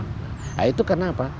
nah itu kenapa